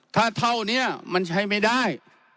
ถ้าเท่านี้มันใช้ไม่ได้